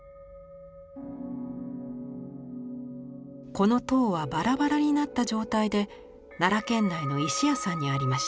この塔はバラバラになった状態で奈良県内の石屋さんにありました。